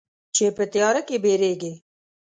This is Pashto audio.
چې په تیاره کې بیریږې